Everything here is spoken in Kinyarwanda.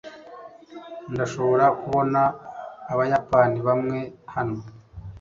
ndashobora kubona abayapani bamwe hano